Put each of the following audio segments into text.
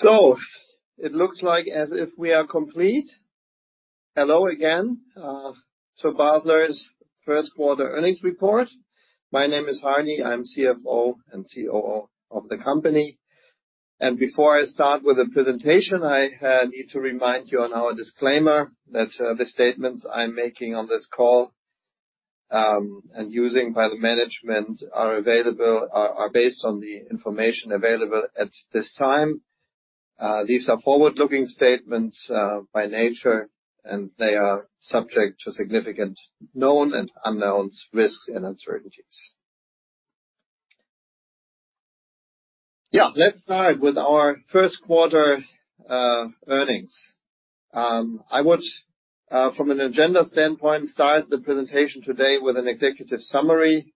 So it looks like as if we are complete. Hello again, so Basler's first quarter earnings report. My name is Hardy. I'm CFO and COO of the company. Before I start with the presentation, I need to remind you on our disclaimer that the statements I'm making on this call, and using by the management are based on the information available at this time. These are forward-looking statements, by nature, and they are subject to significant known and unknown risks and uncertainties. Yeah, let's start with our first quarter earnings. I would, from an agenda standpoint, start the presentation today with an executive summary.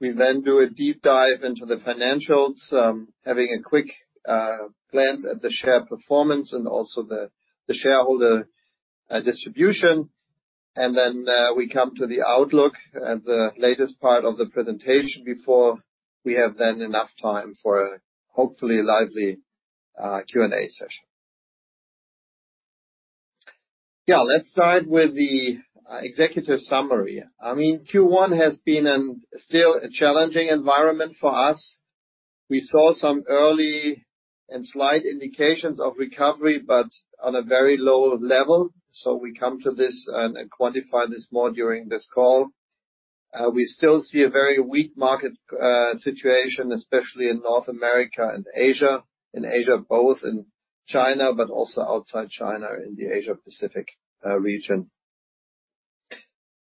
We then do a deep dive into the financials, having a quick glance at the share performance and also the shareholder distribution. Then, we come to the outlook at the latest part of the presentation before we have then enough time for a hopefully lively Q&A session. Yeah, let's start with the executive summary. I mean, Q1 has been and still a challenging environment for us. We saw some early and slight indications of recovery but on a very low level, so we come to this and quantify this more during this call. We still see a very weak market situation, especially in North America and Asia, in Asia both in China but also outside China in the Asia-Pacific region.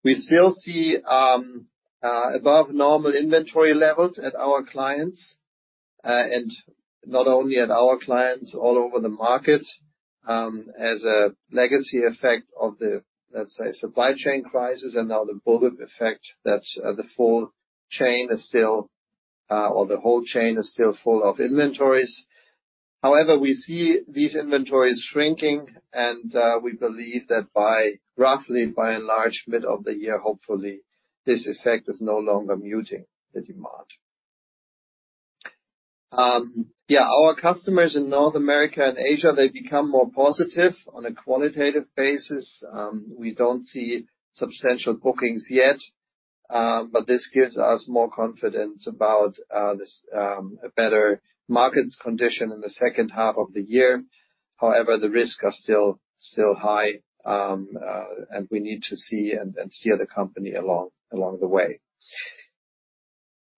We still see above-normal inventory levels at our clients, and not only at our clients, all over the market, as a legacy effect of the, let's say, supply chain crisis and now the bullwhip effect that the full chain is still, or the whole chain is still full of inventories. However, we see these inventories shrinking, and we believe that by roughly, by and large, mid of the year, hopefully, this effect is no longer muting the demand. Yeah, our customers in North America and Asia, they become more positive on a qualitative basis. We don't see substantial bookings yet, but this gives us more confidence about this, a better market's condition in the second half of the year. However, the risks are still high, and we need to see and steer the company along the way.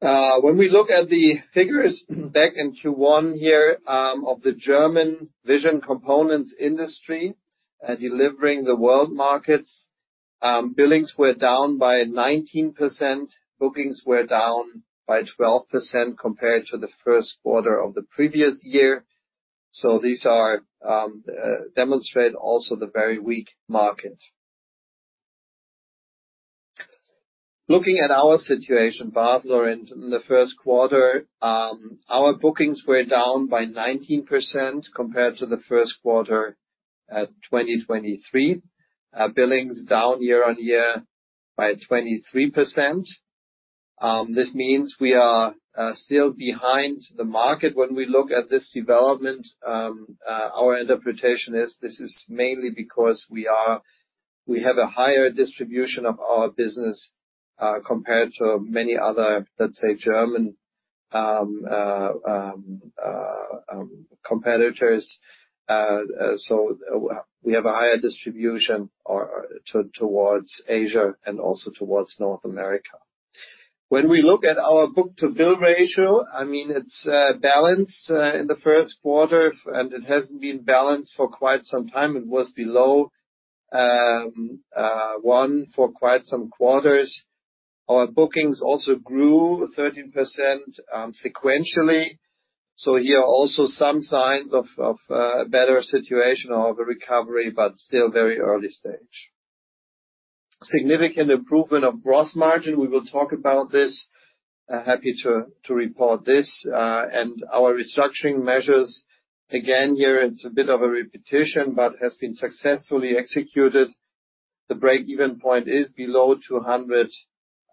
When we look at the figures back in Q1 here, of the German vision components industry, delivering the world markets, billings were down by 19%, bookings were down by 12% compared to the first quarter of the previous year. So these demonstrate also the very weak market. Looking at our situation, Basler, in the first quarter, our bookings were down by 19% compared to the first quarter of 2023, billings down year-on-year by 23%. This means we are still behind the market. When we look at this development, our interpretation is this is mainly because we have a higher distribution of our business, compared to many other, let's say, German, competitors. So, we have a higher distribution towards Asia and also towards North America. When we look at our book-to-bill ratio, I mean, it's balanced in the first quarter, and it hasn't been balanced for quite some time. It was below 1 for quite some quarters. Our bookings also grew 13%, sequentially. So here are also some signs of better situation or of a recovery but still very early stage. Significant improvement of gross margin. We will talk about this. Happy to report this. And our restructuring measures, again, here, it's a bit of a repetition but has been successfully executed.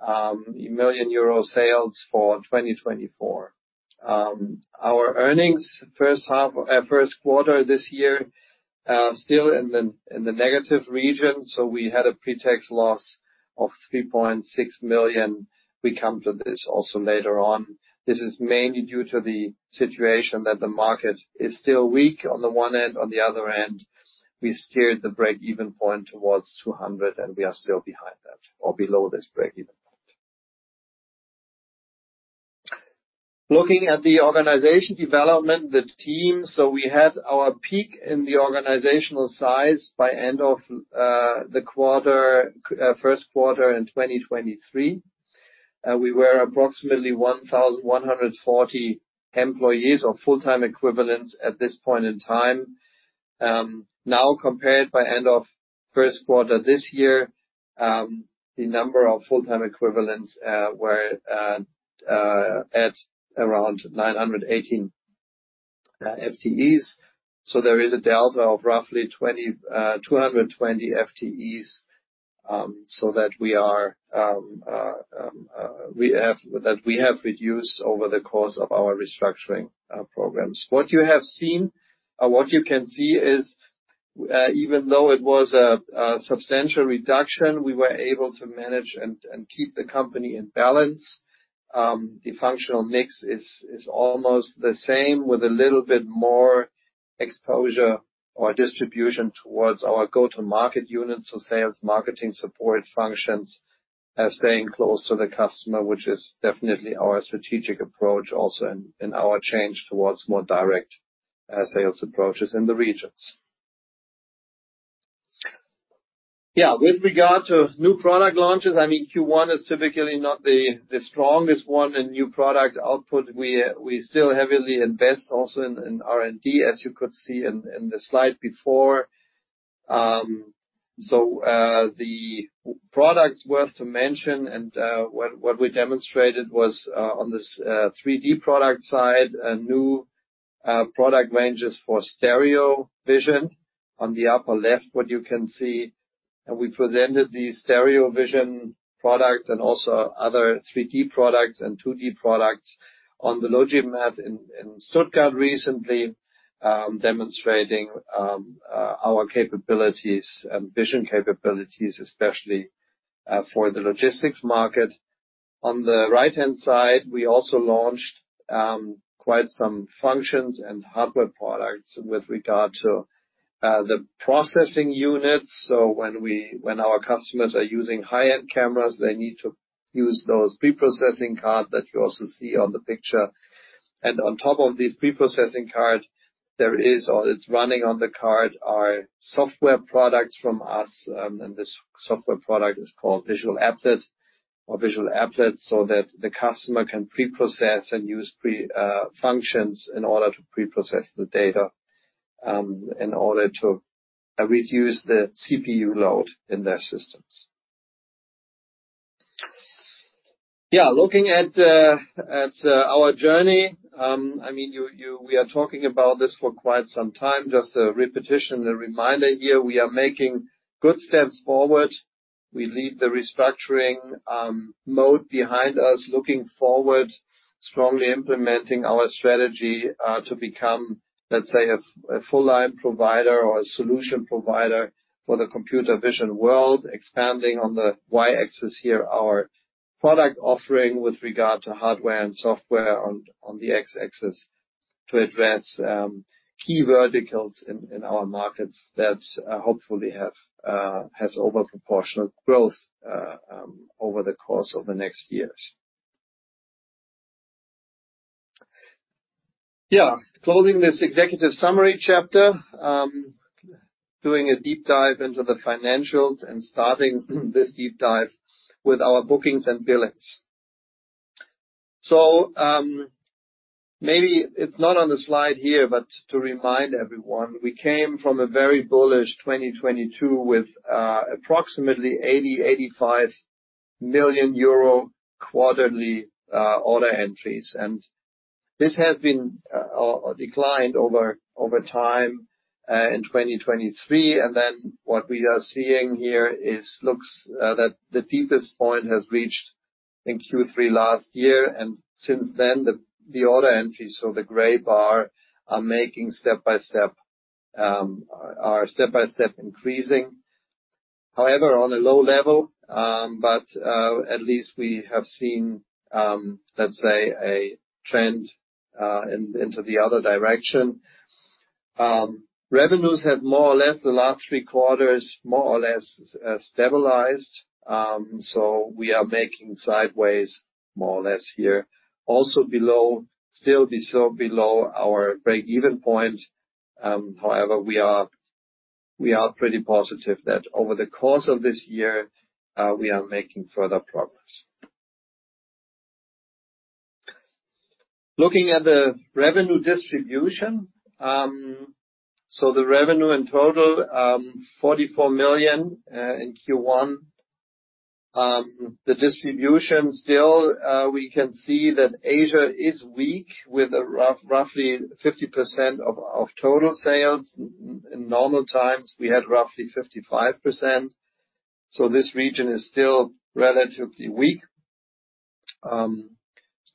The break-even point is below EUR 200 million sales for 2024. Our earnings first half first quarter this year, still in the negative region. So we had a pretax loss of 3.6 million. We come to this also later on. This is mainly due to the situation that the market is still weak on the one end. On the other end, we steered the break-even point towards 200 million, and we are still behind that or below this break-even point. Looking at the organization development, the team, so we had our peak in the organizational size by end of the first quarter in 2023. We were approximately 1,140 employees or full-time equivalents at this point in time. Now compared by end of first quarter this year, the number of full-time equivalents were at around 918 FTEs. So there is a delta of roughly 220 FTEs, so that we have reduced over the course of our restructuring programs. What you have seen or what you can see is, even though it was a substantial reduction, we were able to manage and keep the company in balance. The functional mix is almost the same with a little bit more exposure or distribution towards our go-to-market units, so sales, marketing, support functions, staying close to the customer, which is definitely our strategic approach also in our change towards more direct sales approaches in the regions. Yeah, with regard to new product launches, I mean, Q1 is typically not the strongest one in new product output. We still heavily invest also in R&D, as you could see in the slide before. The products worth to mention and what we demonstrated was on this 3D product side, new product ranges for stereo vision on the upper left, what you can see. We presented these stereo vision products and also other 3D products and 2D products on the LogiMAT in Stuttgart recently, demonstrating our capabilities and vision capabilities, especially for the logistics market. On the right-hand side, we also launched quite some functions and hardware products with regard to the processing units. When our customers are using high-end cameras, they need to use those preprocessing cards that you also see on the picture. On top of these preprocessing cards, there is or it's running on the card are software products from us, and this software product is called VisualApplets so that the customer can preprocess and use pre functions in order to preprocess the data, in order to reduce the CPU load in their systems. Yeah, looking at our journey, I mean, we are talking about this for quite some time. Just a repetition, a reminder here. We are making good steps forward. We leave the restructuring mode behind us, looking forward, strongly implementing our strategy, to become, let's say, a full-line provider or a solution provider for the computer vision world, expanding on the Y-axis here, our product offering with regard to hardware and software on the X-axis to address key verticals in our markets that, hopefully, have overproportional growth over the course of the next years. Yeah, closing this executive summary chapter, doing a deep dive into the financials and starting this deep dive with our bookings and billings. So, maybe it's not on the slide here, but to remind everyone, we came from a very bullish 2022 with approximately 80 million-85 million euro quarterly order entries. And this has declined over time, in 2023. Then what we are seeing here is, looks like, that the deepest point has reached in Q3 last year. Since then, the order entries, so the gray bar, are making step-by-step increasing. However, on a low level, at least we have seen, let's say, a trend into the other direction. Revenues have more or less the last three quarters more or less stabilized. So we are making sideways more or less here, also still below our break-even point. However, we are pretty positive that over the course of this year, we are making further progress. Looking at the revenue distribution, so the revenue in total, 44 million, in Q1. The distribution still, we can see that Asia is weak with roughly 50% of total sales. In normal times, we had roughly 55%. So this region is still relatively weak,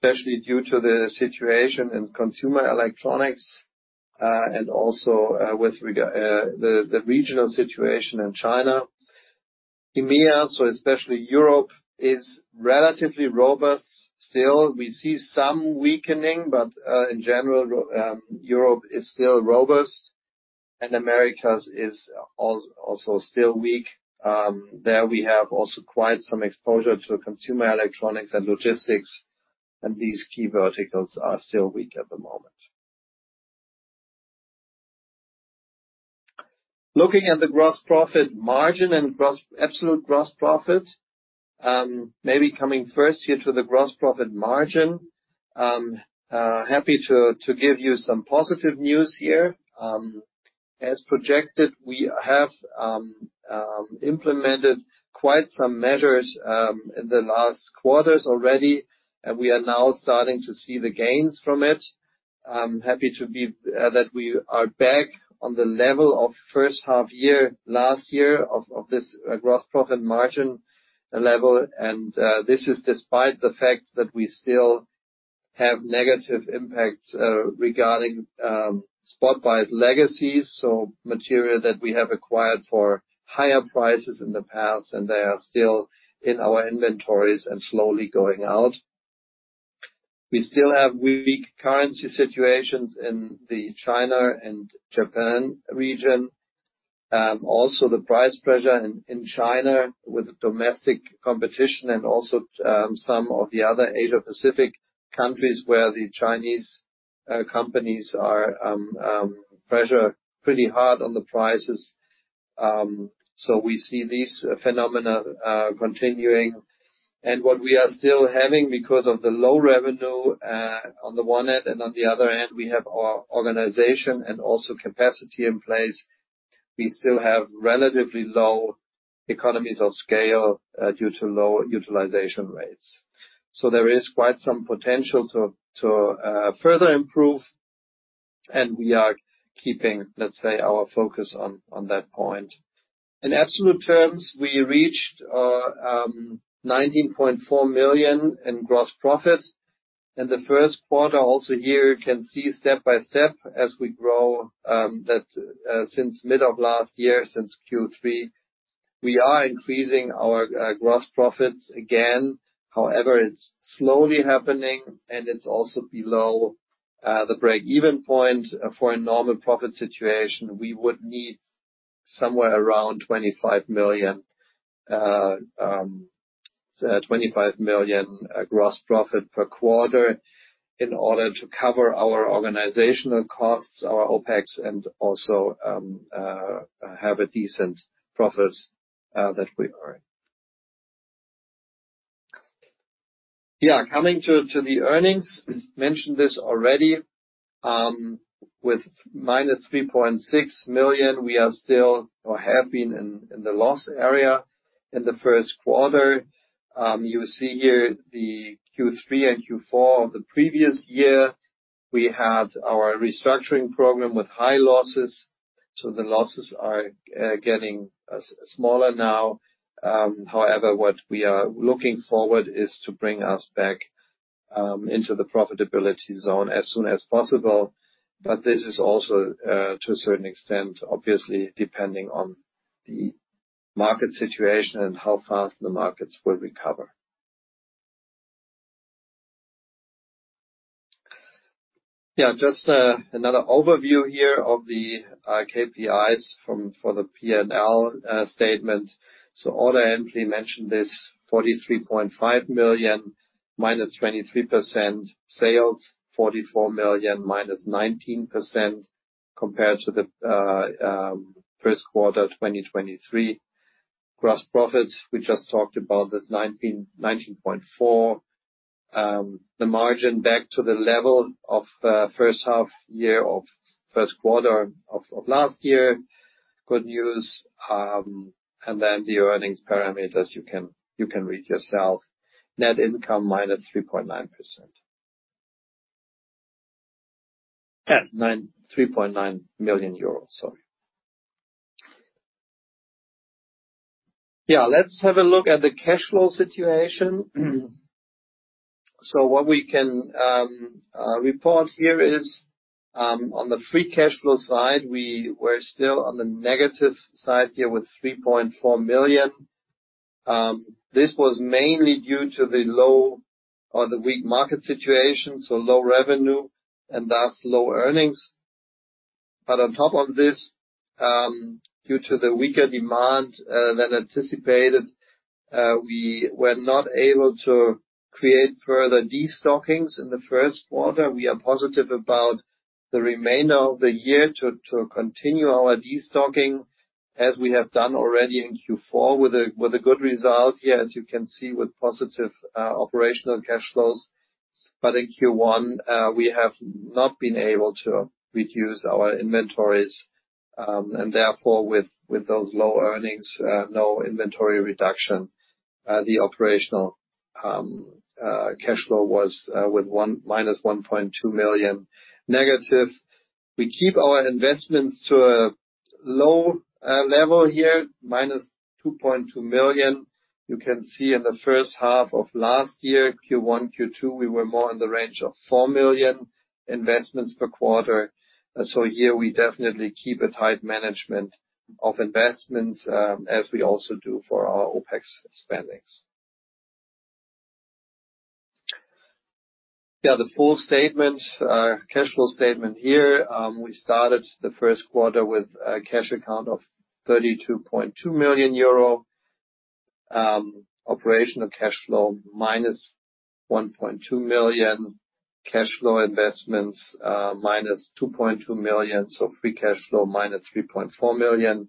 especially due to the situation in consumer electronics, and also, with regard to the regional situation in China. EMEA, so especially Europe, is relatively robust still. We see some weakening, but, in general, Europe is still robust. And the Americas is also still weak. There we have also quite some exposure to consumer electronics and logistics, and these key verticals are still weak at the moment. Looking at the gross profit margin and gross absolute gross profit, maybe coming first here to the gross profit margin, happy to give you some positive news here. As projected, we have implemented quite some measures, in the last quarters already, and we are now starting to see the gains from it. Happy that we are back on the level of first half year last year of this gross profit margin level. And this is despite the fact that we still have negative impacts regarding spot buys legacies, so material that we have acquired for higher prices in the past, and they are still in our inventories and slowly going out. We still have weak currency situations in the China and Japan region. We also have the price pressure in China with domestic competition and also some of the other Asia-Pacific countries where the Chinese companies are pressuring pretty hard on the prices. So we see these phenomena continuing. And what we are still having because of the low revenue, on the one end, and on the other end, we have our organization and also capacity in place, we still have relatively low economies of scale, due to low utilization rates. So there is quite some potential to further improve, and we are keeping, let's say, our focus on that point. In absolute terms, we reached 19.4 million in gross profit in the first quarter. Also here, you can see step-by-step as we grow that since mid of last year, since Q3, we are increasing our gross profits again. However, it's slowly happening, and it's also below the break-even point. For a normal profit situation, we would need somewhere around 25 million gross profit per quarter in order to cover our organizational costs, our OpEx, and also have a decent profit that we earn. Yeah, coming to the earnings, mentioned this already, with -3.6 million, we are still or have been in the loss area in the first quarter. You see here the Q3 and Q4 of the previous year. We had our restructuring program with high losses. So the losses are getting smaller now. However, what we are looking forward is to bring us back, into the profitability zone as soon as possible. But this is also, to a certain extent, obviously, depending on the market situation and how fast the markets will recover. Yeah, just, another overview here of the, KPIs for the P&L statement. So order entry mentioned this: 43.5 million -23%; sales, 44 million -19% compared to the, first quarter 2023. Gross profit, we just talked about the 19.4 million. The margin back to the level of, first half year of first quarter of last year, good news. And then the earnings parameters, you can read yourself: net income -3.9 million euros, sorry. Yeah, let's have a look at the cash flow situation. So what we can report here is, on the free cash flow side, we were still on the negative side here with -3.4 million. This was mainly due to the low or the weak market situation, so low revenue and thus low earnings. But on top of this, due to the weaker demand than anticipated, we were not able to create further destockings in the first quarter. We are positive about the remainder of the year to continue our destocking as we have done already in Q4 with a good result here, as you can see, with positive operational cash flows. But in Q1, we have not been able to reduce our inventories, and therefore, with those low earnings, no inventory reduction. The operational cash flow was with -1.2 million negative. We keep our investments to a low level here, -2.2 million. You can see in the first half of last year, Q1, Q2, we were more in the range of 4 million investments per quarter. So here we definitely keep a tight management of investments, as we also do for our OpEx spending. Yeah, the full statement, cash flow statement here, we started the first quarter with a cash account of 32.2 million euro, operational cash flow -1.2 million, cash flow investments -2.2 million, so free cash flow -3.4 million.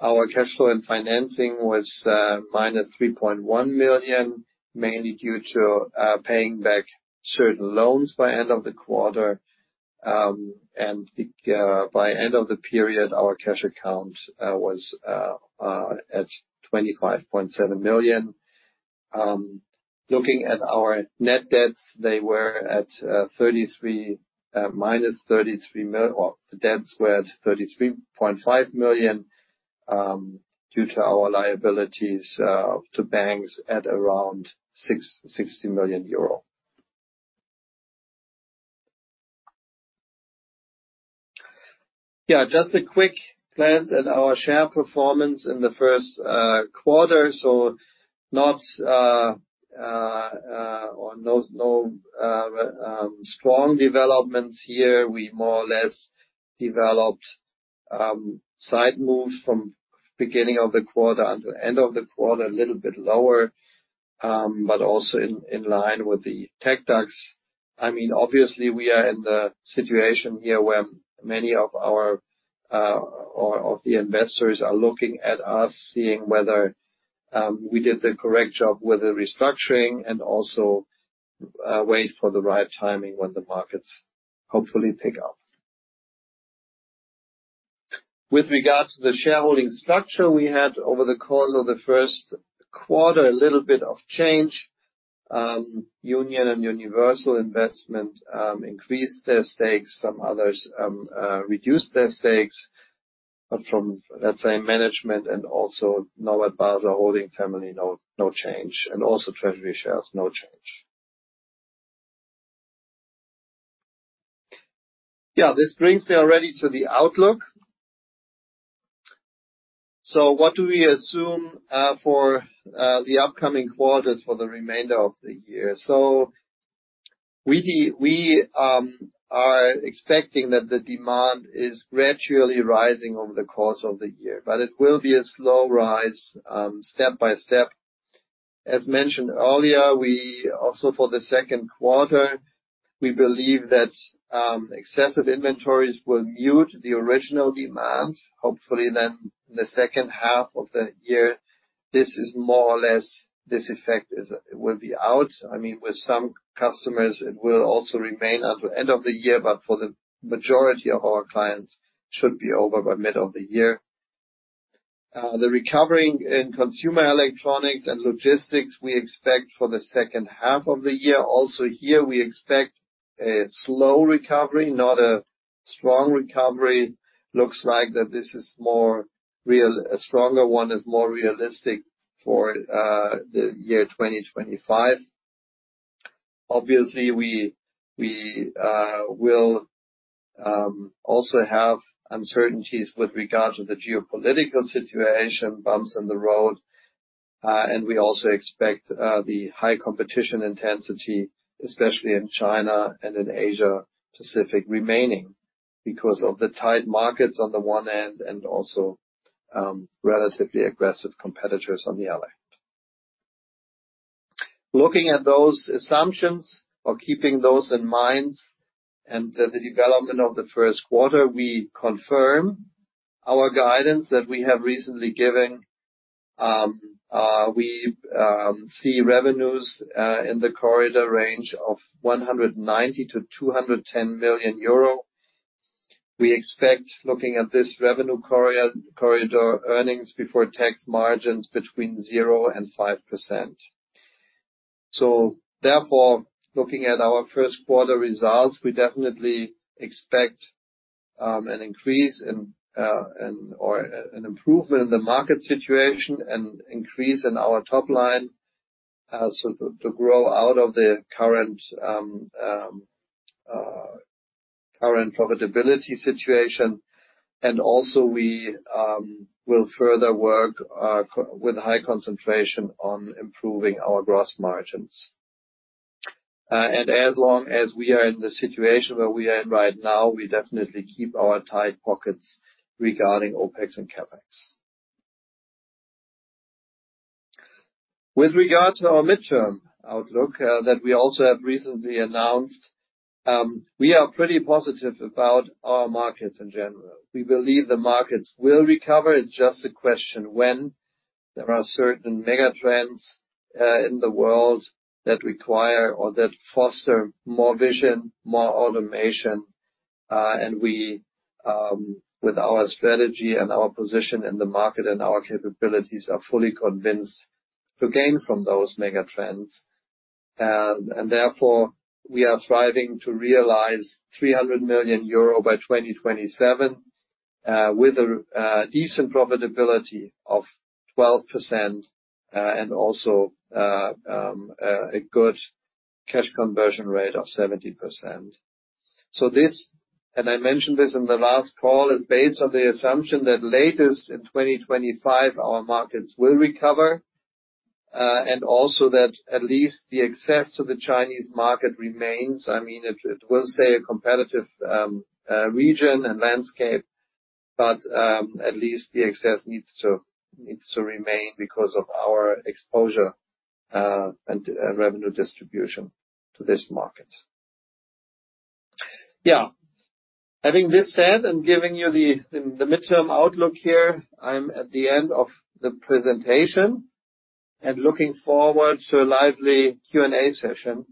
Our cash flow in financing was -3.1 million, mainly due to paying back certain loans by end of the quarter. And the, by end of the period, our cash account was at 25.7 million. Looking at our net debts, they were at -33 million or the debts were at 33.5 million, due to our liabilities to banks at around 660 million euro. Yeah, just a quick glance at our share performance in the first quarter. So no really strong developments here. We more or less developed sideways moves from beginning of the quarter until end of the quarter, a little bit lower, but also in line with the TecDAX. I mean, obviously, we are in the situation here where many of our investors are looking at us, seeing whether we did the correct job with the restructuring and also wait for the right timing when the markets hopefully pick up. With regard to the shareholding structure, we had over the course of the first quarter a little bit of change. Union Investment and Universal Investment increased their stakes. Some others reduced their stakes. But from, let's say, management and also Norbert Basler Holding family, no change. And also Treasury shares, no change. Yeah, this brings me already to the outlook. So what do we assume for the upcoming quarters for the remainder of the year? So we are expecting that the demand is gradually rising over the course of the year, but it will be a slow rise, step by step. As mentioned earlier, we also for the second quarter, we believe that excessive inventories will mute the original demand. Hopefully, then in the second half of the year, this is more or less this effect is it will be out. I mean, with some customers, it will also remain until end of the year, but for the majority of our clients, should be over by mid of the year. The recovery in consumer electronics and logistics, we expect for the second half of the year. Also here, we expect a slow recovery, not a strong recovery. Looks like that this is more real. A stronger one is more realistic for the year 2025. Obviously, we will also have uncertainties with regard to the geopolitical situation, bumps in the road, and we also expect the high competition intensity, especially in China and in Asia-Pacific, remaining because of the tight markets on the one end and also relatively aggressive competitors on the other end. Looking at those assumptions or keeping those in mind and the development of the first quarter, we confirm our guidance that we have recently given. We see revenues in the corridor range of 190 million-210 million euro. We expect, looking at this revenue corridor, earnings before tax margins between 0% and 5%. So therefore, looking at our first quarter results, we definitely expect an increase in or an improvement in the market situation and increase in our top line, so to grow out of the current profitability situation. And also we will further work with high concentration on improving our gross margins. And as long as we are in the situation where we are in right now, we definitely keep our tight pockets regarding OpEx and CapEx. With regard to our midterm outlook, that we also have recently announced, we are pretty positive about our markets in general. We believe the markets will recover. It's just a question when. There are certain megatrends in the world that require or that foster more vision, more automation. And we with our strategy and our position in the market and our capabilities are fully convinced to gain from those megatrends. and therefore, we are striving to realize 300 million euro by 2027, with a decent profitability of 12%, and also a good cash conversion rate of 70%. So this, and I mentioned this in the last call, is based on the assumption that latest in 2025, our markets will recover, and also that at least the access to the Chinese market remains. I mean, it will stay a competitive region and landscape, but at least the access needs to remain because of our exposure and revenue distribution to this market. Yeah, having this said and giving you the midterm outlook here, I'm at the end of the presentation and looking forward to a lively Q&A session.